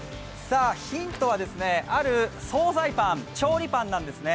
ヒントは、ある総菜パン、調理パンなんですね。